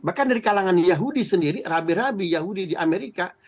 bahkan dari kalangan yahudi sendiri rabi rabi yahudi di amerika